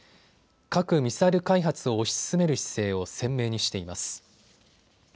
核・ミサイル開発を推し進める姿勢を鮮明にしています。